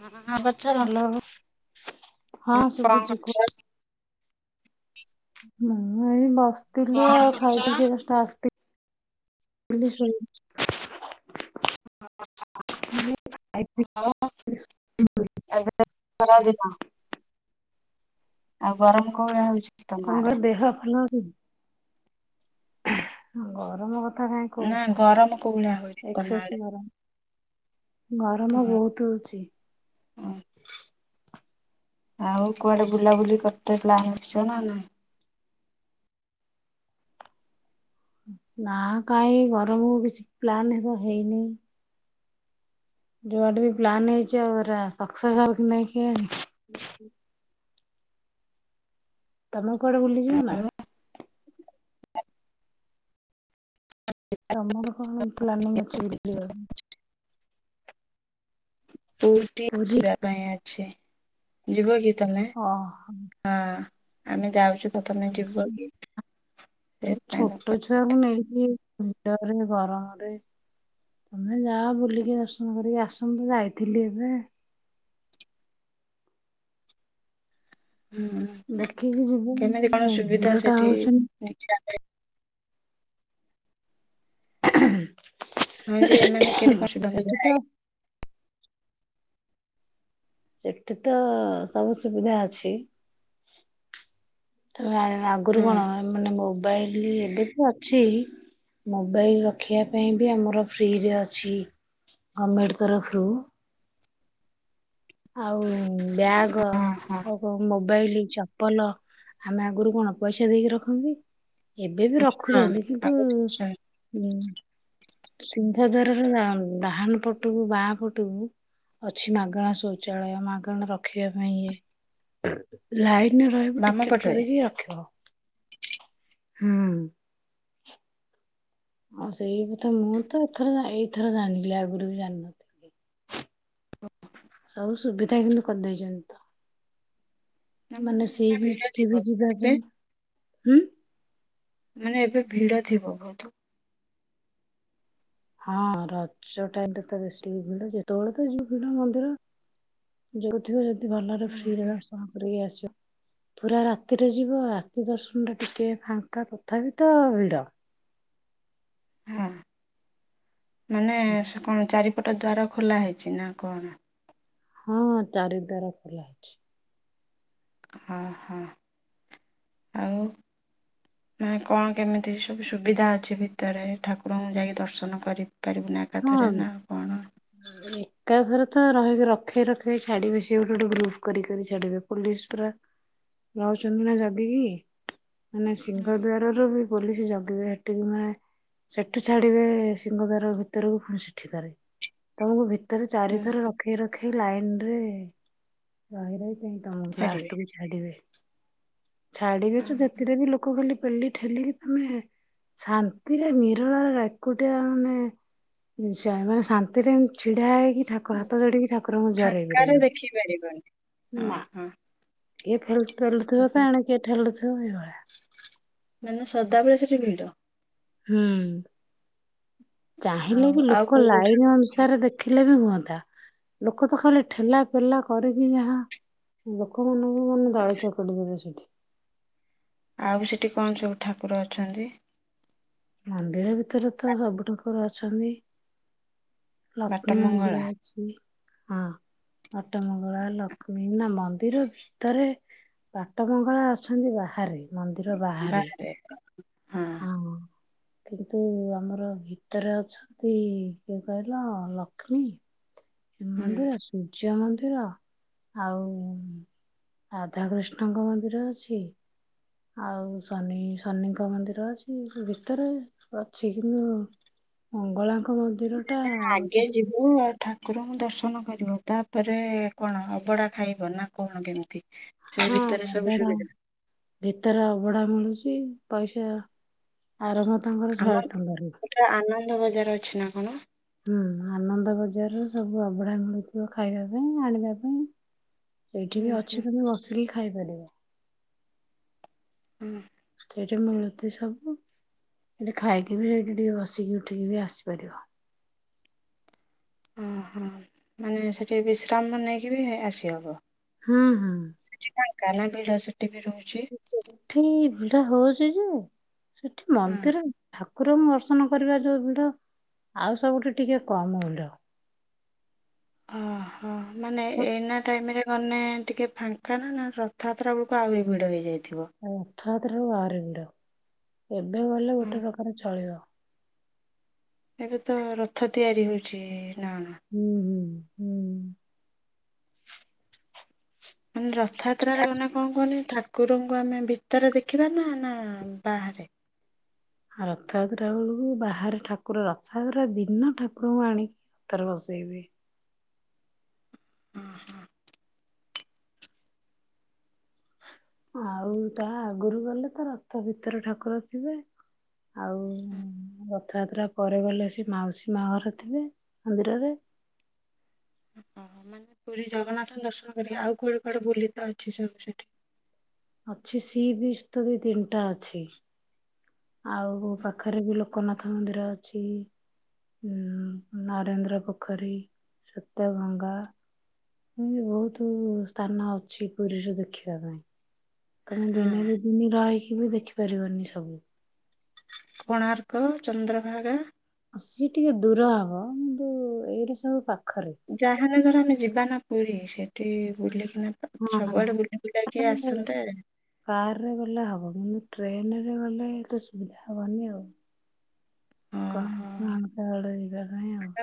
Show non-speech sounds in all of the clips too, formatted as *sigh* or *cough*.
ହଁ *unintelligible* କଣ ହ୍ୟାଲୋ ହଁ ଶୁଭୁଛି କୁହ। କରୁଛ? ମୁଁ ଏଇ ବସିଥିଲି କଣ ଆଉ କରୁଛ? ଖାଇ ପିଇି ଜଷ୍ଟ ଆସିଥିଲି ଶୋଇ। *inaudible* ପିଇ *unintelligible* ଆଉ ଗରମ *unintelligible* ହଉଛି? ତମ ଆଡେ? କଣ ଦେହ *unintelligible* ଗରମ *unintelligible* ନା କହୁଛ ଗରମ କୋଉ ଭଳିଆ *unintelligible* ତମ ଏକ୍ସେସ ଆଡେ ଗରମ ଗରମ ହଁ। ବହୁତ ହଉଛି। ଆଉ କୁଆଡେ ବୁଲାବୁଲି କରିତ ନା ନାଇ? ନା କାହିଁ ଗରମ କିଛି ପ୍ଲନ୍ ହେବ ହେଇନି। ଯୋଉଆଟେ ବି ପ୍ଲାନ୍ ହେଇଛି ଆଉ ସକ୍ସେସ ହବ କି ନାଇଁ କି ତମ କୁଆଡେ ବୁଲିଯିବ ନା? ତମ କଣ ପ୍ଲାନିଂ ଅଛି? *unintelligible* ପୁରୀ? ଯିବା ପାଇଁ ଅଛି ଯିବ କି ତମେ? ଓହୋ ହଁ ଆମେ ଯାଉଛୁ ତ *unintelligible* ସେଥିପାଇଁ ତ ଛୋଟ ଛୁଆ ପଚାରୁଥିଲି। କୁ ନେଇକି ଭିଡ ରେ ଗରମ ରେ ତମେ ଯା ବୁଲିକି ଦର୍ଶନ କରିକି ଆସନ୍ତୁ ଯାଇଥିଲି ଏବେ। ହୁଁ। ଦେଖିକି ଯିବୁ କେମିତି କଣ ସୁବିଧା ଭିଡ ଟା ସେଠି? *unintelligible* *unintelligible* ହୁଁ। ହଁ ଯେ ଏମାନେ ସେଠି ତ *unintelligible* ସେଠି ତ ସବୁ ସୁବିଧା ଅଛି। ତ ଆଗରୁ ହଁ। କଣ ମାନେ ମୋବାଇଲ ଏବେ ବି ଅଛି। ମୋବାଇଲ ରଖିବା ପାଇଁ ବି ଆମର ଫ୍ରିରେ ଅଛି ଗଭର୍ଣମେଣ୍ଟ ତରଫରୁ ଆଉ ବ୍ୟାଗ ହଁ ଆଗ ଆଉ ମୋବାଇଲ ଚପଲ ଆମେ ଆଗରୁ କଣ ପଇସା ଦେଇକି ରଖନ୍ତି। ଏବେ ବି ରଖୁଛନ୍ତି କିନ୍ତୁ ସିଂହ ଦ୍ୱାର ର ବାହାନ ପଟକୁ ବାହା ପଟକୁୁ ଅଛି ମାଗଣା ଶୌଚାଳୟ ମାଗଣା ରଖିବା ପାଇଁ ଇଏ। ଲାଇନରେ ରହିବୁ ବାମ ଟିକେଟ ପଟରେ କରିକି ରଖିବ ହୁଁ। ହଉ ସେଇ କଥା ମୁଁ ତ ଏଥର ଏଇଥର ଜାଣିଲି ଆଗରୁ ବି ଜାଣିନଥିଲି। ସବୁ ସୁବିଧା କିନ୍ତୁ କରିଦେଇଛନ୍ତି ତ। ନା ମାନେ ନା ସେଇ ଭିଡ ବିଚ କେ ଥିବ ବି ଯିବା ଏବେ ପାଇଁ ହୁଁ। ମାନେ ଏବେ ଭିଡ ଥିବ ବହୁତୁ। ହଁ ରଜ ଟା ତ ବେଶୀ ଭିଡ ଯେତେବେଳେ ଯିବ ଦେଖ ଭିଡ ମନ୍ଦିର। ଯୋଉଥିବ ଯଦି ଭଲରେ ହୁଁ ଫ୍ରି ରେ ହୁଁ। ଦର୍ଶନ କରିବ ଆସିବ। ପୁରା ରାତିରେ ଯିବ ରାତି ଦର୍ଶନ ଟା ଟିକେ ଫାଙ୍କା ତଥାପି ତ ଭିଡ। ହଁ ମାନେ ସେ କଣ ଚାରିପଟ ଦ୍ୱାର ଖୋଲା ହେଇଛି ନା କଣ? ହଁ ଚାରି ଦ୍ୱାର ଖୋଲା ହେଇଚି। ହଁ ହଁ ଆଉ। ହଁ ମାନେ କଣ କେମିତି ସବୁ ସୁବିଧା ଅଛି ଭିତରେ ଠାକୁରଙ୍କୁ ଯାଇକି ଦର୍ଶନ କରିପାରିବୁନା? ଏକା ଥରେ ନା ଆଉ କଣ? ଏକା ଘରେ ତ ରହିକି ରଖେଇ ରଖେଇ ଛାଡିବେ ସେ ଗୋଟେ ଗୋଟେ ଗ୍ରୁପ କରିିକି ଛାଡିବେ। ପୋଲିସ ପୁରା ରହୁଛନ୍ତି ନା ଜଗିକି ମାନେ ସିଂହ ହୁଁ। ଦ୍ୱାରରୁ ବି ବୁଲିକି ଜଗିବେ ହେଠି ବି ମାନେ ସେଠୁ ଛାଡିବେ ସିଂହଦ୍ୱାର ଭି ଭିତରକୁ ଫୁଣି ସେଠି ଥରେ ତମକୁ ଭିତରେ ହୁଁ ଚାରିଥର ରଖେଇ ର ଖେଇ ଲାଇନ ରେ ରହି ରହି ଫୁଣି ତମକୁ ଛାଡିବେ ଲାଷ୍ଟ କୁ ଛାଡିବେ। ଛାଡିବେ ଯେ ଯେତେଟା ବି ଲୋକ ଗଲେ ପେଲି ଠେଲିକି ତମେ ଶାନ୍ତିରେ ନିରଳା ଏକୁଟିଆ ମାନେ ଯା ମାନେ ଶାନ୍ତିରେ ଛିଡା ହେଇକି ଠା କଣ ହାତ ଯୋଡିକି ଠାକୁରଙ୍କୁ ଜୁହାର ଫାଙ୍କାରେ ହେଇପାରିବିନି ଦେଖିପାରିବନି ହଁ ନା। ହଁ। ଏ ଫୁଲ। *unintelligible* ମାନେ ସଦାବେଳେ ସେଠି ଭିଡ? ହୁଁ ଚାହିଁଲେ ଆଉ ବି ଆଉ ଲୋକ କୋଉ କୋଉ ଠା ଲାଇନ ଅନୁସାରେ ଦେ ଦେଖିଲେ ବି ହୁହନ୍ତା ଲୋକ ତ ଖାଲି ଠେଲା ଫେଲା କରିକି ଯାହା ଲୋକମାନଙ୍କୁ ମାନେ ଦଳି ଚକଟି ଦେବେ ସେଠି। ଆଉ ବି ସେଠି କଣ ସବୁ ଠାକୁର ଅଛନ୍ତି? ମନ୍ଦିର ଭିତରେ ତ ସବୁ ଠକୁର ଅଛନ୍ତି। ବାଟ ଲକ୍ଷ୍ମୀ ମନ୍ଦିର ମଙ୍ଗଳା ଅଛି। ବାଟ ମଙ୍ଗଳା ଲକ୍ଷ୍ମୀ ମା ମନ୍ଦିର ବି ଭିତରେ ବାଟ ମଙ୍ଗଳା ଅଛନ୍ତି ବାହାରେ ବାହାରେ ହଁ। ହଁ। କିନ୍ତୁ ଆମର ଭିତରେ ଅଛନ୍ତି କିଏ କହିଲ ଲକ୍ଷ୍ମୀ ଶନି ହୁଁ। ମନ୍ଦିର ସୂର୍ଯ୍ୟ ମନ୍ଦିର ଆଉ ରାଧାକୃଷ୍ଣଙ୍କ ମନ୍ଦିର ଅଛି। ଆଉ ଶନି ଶନିଙ୍କ ମନ୍ଦିର ଅଛି ସେ ଭିତରେ ଅଛି କିନ୍ତୁ ମଙ୍ଗଳାଙ୍କ ମନ୍ଦିର ଟା ଯୋଉ ଠାକୁରଙ୍କୁ ଦର୍ଶନ କରିବ ତାପରେ କଣ ଅବଡା ଖାଇବ ନା କଣ କେମିତି? ସେ ହଁ ଭିତରେ ସବୁ ଅବଢା ସୁବିଧା। ଭିତରେ ଅବଢା ମିଳୁଚି ପଇସା ଆରମ୍ଭ ତାଙ୍କର ଶହେ ଟଙ୍କା ରୁ। ହେଟା ଆନନ୍ଦ ବଜାର ଅଛି ନା କଣ? ହୁଁ ଆନନ୍ଦ ବଜାର ରୁ ସବୁ ଅବଢା ମିଳୁଥିବ ଖାଇବା ପାଇଁ ଆଣିବା ପାଇଁ। ଏଇଠି ହୁଁ ବି ହୁଁ ଅଛି ତମେ ବସିଲେ ଖାଇପାରିବ। ହୁଁ। ସେଇଠି ମିଳୁଚି ସବୁ ସେଠି ଖାଇକି ବି ସେଇଠି ଟିକେ ବସିକି ଉଠିକି ବି ଆସିପାରିବ। ଓହୋ ମାନେ ସେଠି ବିଶ୍ରାମ ନେଇକି ବି ଆସିହବ। ହୁଁ- ହୁଁ। *unintelligible* ରହୁଚି। ସେଠ ଭିଡ ହଉଚି ଯେ ସେଠି ହଁ। ମନ୍ଦିର ଠାକୁରଙ୍କୁ ଦର୍ଶନ କରିବା ଯଉ ଭିଡ ଆଉ ସବୁଠି ଟିକେ କମ ଭିଡ। ଅ- ହୋ ମାନେ ଏଇନା ଟାଇମ୍ ରେ ଗନେ ଟିକେ ଫାଙ୍କା ନା- ନା ରଥଯାତ୍ରା ବେଳକୁ ଆହୁରି ଭିଡ ହେଇଯାଇଥିବ। ଆଉ ରଥଯାତ୍ରାକୁ ଭାରି ଭିଡ ଏବେ ଗଲେ ହଁ ଗୋଟେ ପ୍ରକାର ଚଳିବ। ଏବେ ତ ରଥ ତିଆରି ହଉଚି ନା -ନା। ହୁଁ- ହୁଁ। ହୁଁ। ମାନେ ରଥଯାତ୍ରାରେ ଗନେ କଣ୍ କୁହନି ଠାକୁରଙ୍କୁ ଆମେ ଭିତରେ ଦେଖିବା ନା- ନା ବାହାରେ? ଆଉ ରଥଯାତ୍ରା ବେଳକୁ ବାହାରେ ଠାକୁର ରଥଯାତ୍ରା ଦିନ ଠାକୁରଙ୍କୁ ଆଣି ତାର ଭସେଇବି। ହଁ- ହଁ। ଆଉ ତା ଆଗୁରୁ ଗଲେ ତ ରଥ ଭିତରେ ଠାକୁର ଥିବେ ଆଉ ରଥଯାତ୍ରା ପରେ ଗଲେ ସେ ମାଉସୀ ମା ଘରେ ଥିବେ ମନ୍ଦିରରେ ଓହ ମାନେ ପୁରୀ ଜଗନ୍ନାଥ ଦର୍ଶନ କରିକି ଆଉ କୁଆଡେ କୁଆଡେ ବୁଲିତ ଅଛି ସବୁ ସେଠି? ଅଛି ସି ବିଚ୍ ଦି ତିନିଟା ଅଛି। ଆଉ ପାଖରେ ବି ଲୋକନାଥ ମନ୍ଦିର ଅଛି। ନରେନ୍ଦ୍ର ପୋଖରୀ, ଶ୍ଵେତ ଗଙ୍ଗା ହୁଁ- ବହୁତୁ ସ୍ଥାନ ଅଛି ପୁରୀରୁ ଦେଖିବା ପାଇଁ। ତମେ ହଁ ଦିନେ ଦି ଦିନି ରହିକି ବି ଦେଖିପାରିବନି ସବୁ। କୋଣାର୍କ, ଚନ୍ଦ୍ରଭାଗା ସିଏ ଟିକେ ଦୂର ହବ କିନ୍ତୁ ଏଇଟା ସବୁ ପାଖରେ। ଯାହାନେ ଧର ଆମେ ଯିବା ନା ପୁରୀ ସେଠି ବୁଲିକିନା ହଁ ସବୁଆଡେ ବୁଲି ବୁଲାକି ଆସନ୍ତେ କାର୍ ରେ ଗଲେ ହବ କିନ୍ତୁ ଟ୍ରେନ୍ ରେ ଗଲେ ଏତେ ସୁବିଧା ହବନି ଆଉ। କଣ *unintelligible* *unintelligible*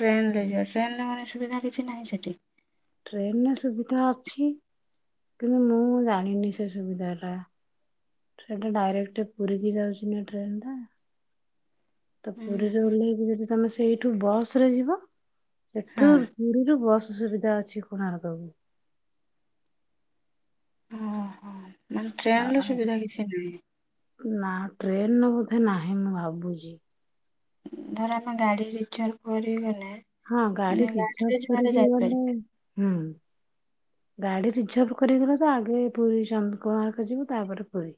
ଟ୍ରେନ୍ ରେ ଯିବା ଟ୍ରେନ୍ ରେ ମାନେ ସୁବିଧା କିଛି ନାହିଁ ସେଠି। ଟ୍ରେନ୍ ରେ ସୁବିଧା ଅଛି କିନ୍ତୁ ମୁଁ ଜାଣିନି ସେ ସୁବିଧା ଟା। ସେଟା ଡାଇରେକ୍ଟେ ପୁରୀ କିି ଯାଉଚି ନି ଟ୍ରେନ୍ ଟା। ତ ହୁଁ ପୁରୀରେ ହୁଁ ଓହ୍ଲେଇକି ଯଦି ତମେ ସେଇଠୁ ବସ୍ ରେ ଯିବ ସେଠୁ ହଁ ପୁରୀରୁ ବସ୍ ସୁବିଧା ଅଛି କୋଣାର୍କକୁ। ଓହୋ ମାନେ ଆ ଟ୍ରେନ୍ ର ଆ ସୁବିଧା କିଛି ନାହିଁ। ନା ଟ୍ରେନ୍ ର ବୋଧେ ନାହିଁ ମୁଁ ଭାବୁଚି। ଧର ଆମେ ଗାଡି ରିଜର୍ଭ କରିଗଲେ ହଁ ଗାଡି ରିଜର୍ଭ କରିକି ଗଲେ ହୁଁ- ଗାଡି ରିଜର୍ଭ କରକି ଗଲେ ତ ଆଗେ ପୁରୀ ଚନ୍ଦ୍ର- କୋଣାର୍କ ଯିବୁ ତାପରେ ପୁରୀ।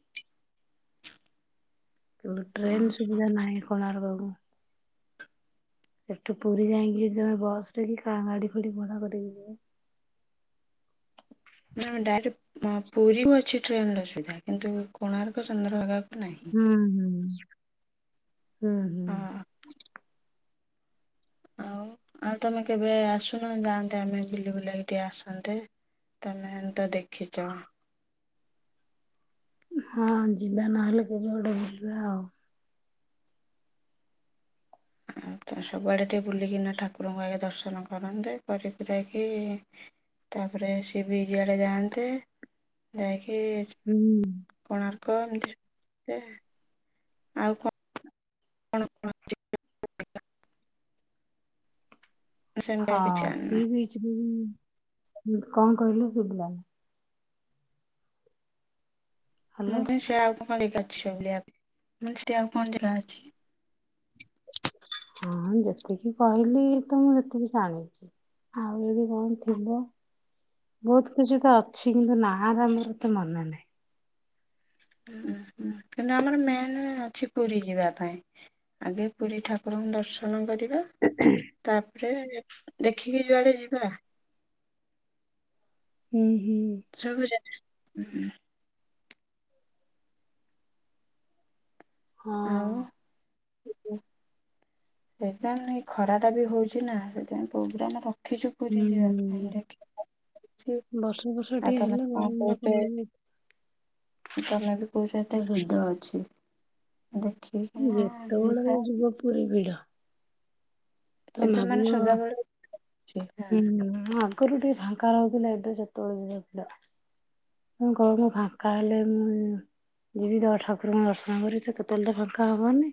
ତ ଟ୍ରେନ୍ ହଁ ସୁବିଧା ନାହିଁ କୋଣାର୍କ କୁ। ଏଠୁ ପୁରୀ ଯାଇଁକି ଯଦି ତମେ ବସ୍ ରେ କି ଗା- ଗାଡି କରି ଭଡା କରିକି ଯିବ ନା ଡାଇରେକ୍ଟ ପୁରୀକୁ ଅଛି ଟ୍ରେନ୍ ର ସୁବିଧା କିନ୍ତୁ କୋଣାର୍କ ଚନ୍ଦ୍ରଭାଗା ହୁଁ- ହୁଁ- ହୁଁ -ହୁଁ। ହଁ ଆଉ -ଆଉ ତମେ କେବେ ଆସୁନ ଯାଆନ୍ତେ ଆମେ ବୁଲି ବୁଲାକି ଟିକେ ଆସନ୍ତେ। ତମେ ମାନେ ତ ଦେଖିଚ। ହଁ ଯିବା ନହେଲେ କେବେ ଗୋଟେ ବୁଲିବା ଆଉ। ଆଉ ତ ସବୁଆଡେ ଟିକେ ବୁଲିକିନା ଠାକୁରଙ୍କୁ ଆଗେ ଦର୍ଶନ କରନ୍ତେ କରି କୁରେଇ କି ତାପରେ ସିଏ ବି ଯୁଆଡେ ଯାଆନ୍ତେ ଯାଇକି ହୁଁ। କୋଣାର୍କ ଏମିତି ଆ ଆଉ କଣ କଣ ହଁଁ। ସେମିତି ଆଉ ହଁ କିଛି ଜାଣିନ। ସି ବିଚ ଉଁ କଣ କହିଲ ଶୁଭିଲାନି। ମୁଁ ହାଲୋ। କଁଇ ସେ ଆଉ କଣ ଜାଗା ଅଛି ବୁଲିବା ପାଇଁ। ମାନେ ସେ ଆଉ କଣ ଜାଗା ଅଛି? ହଁ ଯେତିକି କହିଲି ତ ମୁଁ ଯେତିକି ଜାଣିଚି। ଆଉ ଯଦି କଣ ଥିବ। ବହୁତ କିଛି ତ ଅଛି କିନ୍ତୁ ନା ହେଲା ମୋର ତ ମନେ ନାହିଁ। ଉ ହୁଁ କାଇଁକି ନା ଆମର ମେନ୍ ଅଛି ପୁରୀ ଯିବା ପାଇଁ। ଆଗେ ପୁରୀ ଠାକୁରଙ୍କୁ ଦର୍ଶନ କରିବା। ତାପରେ ଦେଖିକି ଯୁଆଡେ ଯିବା। ହୁଁ ହୁଁ। ଶୁଣୁଚ। ହଁ। ଆଉ? ସେଥିପାଇଁ ନାଇଁ ଖରା ଟା ବି ହଉଚି ନା ସେଥିପାଇଁ ପ୍ରୋଗ୍ରାମ ଦେଖିଚୁ ପୁରୀ ଯିବା ପାଇଁ ହୁଁ। ଦେଖ ଆଉ *unintelligible* ବର୍ଷା ଫର୍ଷା ଆଉ ଟିକେ ତମେ ହେଲେ କଣ ଗରମ ଟା କହୁଚ। କମିବ। ତମେ ବି କହୁଚ ଏତେ ହ୍ରଦ ଅଛି ଦେଖିକିନା ଯେତେବେଳେ ଯିବା ଆଉ। ଯିବ ପୁରୀ ଭିଡ଼। ତମେ ଏବେ ମାନେ ଭାବିବ ସଦାବେଳେ ଅଛି ହଁ ହ *inaudible* ପୁରୀ ଟିକେ ଫାଙ୍କା ରହୁଥିଲା ଏବେ ଯେତେବେଳେ ବି ଯାଇଥିଲା। ମୁ କହୀଲି ଫାଙ୍କା ହେଲେ ଉଁ ଯିବି ତ ଠାକୁରଙ୍କୁ ଦର୍ଶନ କରି ତ କେତେବେଳେ ତ ଫାଙ୍କା ହବନି।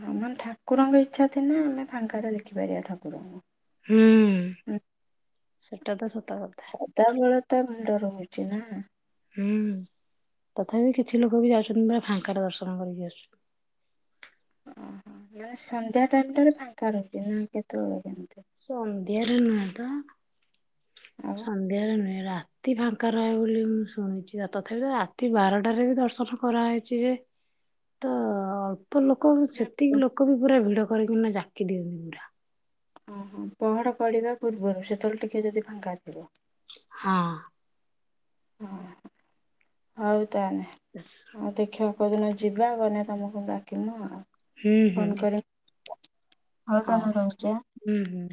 ହଁ ମାନେ ଠାକୁରଙ୍କ ଇଚ୍ଛା ଥିଲେ ଆମେ ଫାଙ୍କାରେ ଦେଖିପାରିବା ଠାକୁରଙ୍କୁ। ହୁଁ ସେଟା ତ ସତ କଥା। ସଦାବେଳେ ତ ଭିଡ ରହୁଚି ନା। ହୁଁ ତଥାପି କିଛି ଲୋକ ବି ଯାଉଚନ୍ତି ନା ଫାଙ୍କାରେ ଦର୍ଶନ କରିକି ଆସୁଚ ଓହୋ ନା ସନ୍ଧ୍ୟା ଟାଇମ ଟାରେ ଫାଙ୍କା ରହୁଥିବ ନା କେତେବେଳେ କେମିତି। ସନ୍ଧ୍ୟାରେ ନୁହେଁ ତ ସନ୍ଧ୍ୟାରେ ନୁହେଁ ରାତ ଆତି ଫାଙ୍କା ରହେ ବୋଲି ମୁଁ ଶୁଣିଚି। ତଥାପି ରାତି ବାରଟାରେ ବି ଦର୍ଶନ କରାହେଇଚି ଯେ ତ ଅଳ୍ପ ଲୋକ ଆଉ ସେତିକି ଲୋକ କ ବି ପୁରା ଭିଡ କରିକି ନା ଜାକି ଦିଅନ୍ତି ପୁରା। ଓହୋ ପହଡ ପଢିବା ପୂର୍ବରୁ ସେତେବେଳେ ଟିକେ ଯଦି ଫାଙ୍କାଥିବ। ହଁ। ହଁ ହଉ ତାହାନେ ବ *inaudible* ଆଉ ଦେଖିବା କଉ ଦିନ ଯିବା ଗଲେ ତମକୁ ଡାକିମୁଁ ଆଉ। ହୁଁ ହୁଁ। ଫୋନ କରିମି ହଉ ହଁ ତାହେଲେ ରହୁଛି ଆଁ ହୁଁ ହୁଁ।